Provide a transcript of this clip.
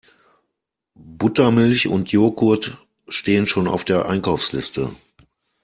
Buttermilch und Jogurt stehen schon auf der Einkaufsliste.